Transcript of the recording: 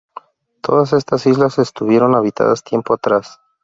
Todas estas islas estuvieron habitadas tiempo atrás.